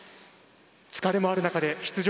疲れもある中で出場